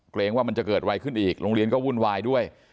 เกรงว่ามันจะเกิดอะไรขึ้นอีกโรงเรียนก็วุ่นวายด้วย